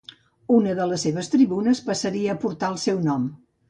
Una de les tribunes passaria a portar el seu nom.